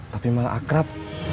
tapi malah akrab